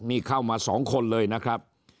นี่เข้ามา๒คนเลยนะครับ